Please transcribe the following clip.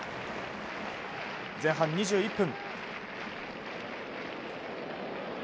前半２１分。